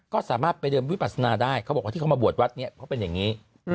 ก็สามารถไปเดินวิปัสนาได้เขาบอกว่าที่เขามาบวชวัดนี้เพราะเป็นอย่างนี้